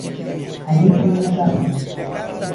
عهلی پێم نهکا پهنێ